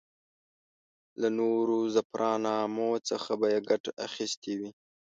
له نورو ظفرنامو څخه به یې ګټه اخیستې وي.